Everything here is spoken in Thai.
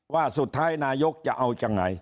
ว่าสุดท้ายนายกจะเอายังไง